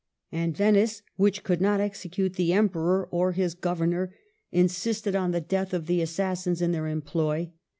And Venice, which could not execute the Em peror or his governor, insisted on the death of the assassins in their employ.